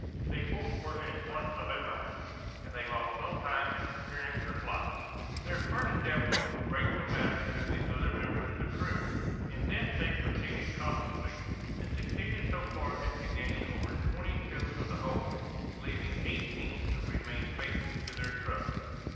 They both were at once of a mind, and they lost no time in maturing their plot. Their first step was to break the matter to the other members of the crew. In this they proceeded cautiously, and succeeded so far as to gain over twenty two of the whole, leaving eighteen who remained faithful to their trust.